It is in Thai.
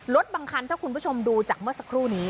บางคันถ้าคุณผู้ชมดูจากเมื่อสักครู่นี้